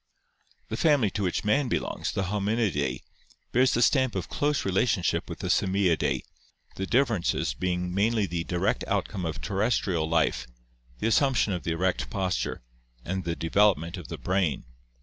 The family to which man belongs, the Hominida, bears the stamp of close relationship with the Simiidae, the differences being j mainly the direct outcome of terrestrial life, the assumption of the erect posture, and the development of the brain.